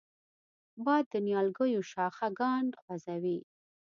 باد د نیالګیو شاخهګان خوځوي